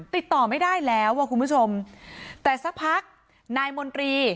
ติดต่อไม่ได้แล้วอ่ะคุณผู้ชมแต่สักพักนายมนตรี